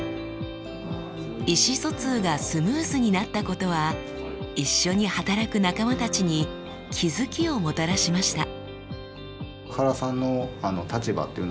意思疎通がスムーズになったことは一緒に働く仲間たちに気付きをもたらしました。